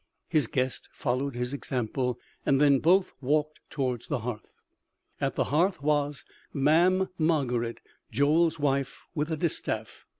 His guest followed his example, and then both walked towards the hearth. At the hearth was Mamm' Margarid, Joel's wife, with a distaff.